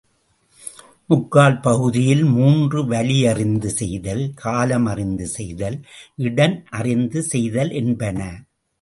முக்கால் பகுதியில் மூன்று வலியறிந்து செய்தல், காலம் அறிந்து செய்தல், இடன் அறிந்து செய்தல்— என்பன.